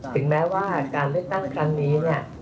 ถึงแม้ว่าการเลือกตั้งครั้งนี้เนี่ย